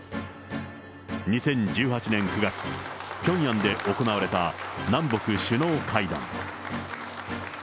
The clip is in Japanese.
２０１８年９月、ピョンヤンで行われた南北首脳会談。